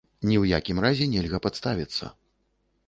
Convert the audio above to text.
Ні ў якім разе нельга падставіцца.